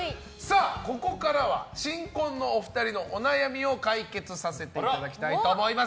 ここからは新婚のお二人のお悩みを解決させていただきたいと思います。